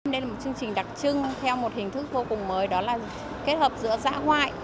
đây là một chương trình đặc trưng theo một hình thức vô cùng mới đó là kết hợp giữa giã ngoại